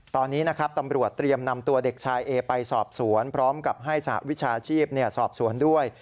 ตอนนี้นะครับตำรวจเตรียมนำตัวเด็กชายเอไปสอบสวนพร้อมกับให้สหวิชาชีพสอบสวนด้วย